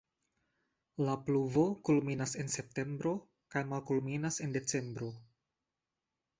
La pluvo kulminas en septembro kaj malkulminas en decembro.